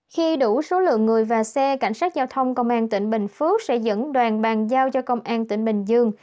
khi đủ số lượng người và xe cảnh sát giao thông công an tỉnh bình phước sẽ dẫn đoàn bàn giao cho công an tỉnh bình dương